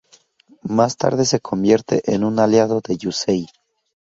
Más tarde se convierte en un aliado de Yusei.